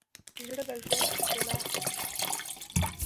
زړه د ژوند ښکلا ساتي.